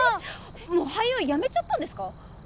もう俳優やめちゃったんですか？